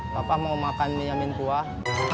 papa mau makan minyamin kuah